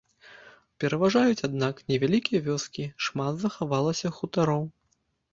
Пераважаюць, аднак, невялікія вёскі, шмат захавалася хутароў.